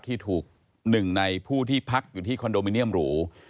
ที่ถูกหนึ่งในผู้ที่พักอยู่ที่คอนโดมิเนียมหรู